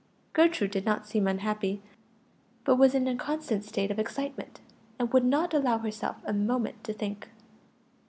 Gertrude did not seem unhappy, but was in a constant state of excitement, and would not allow herself a moment to think.